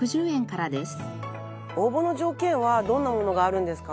応募の条件はどんなものがあるんですか？